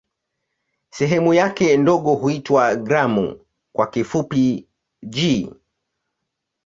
Sehemu yake ndogo huitwa "gramu" kwa kifupi "g".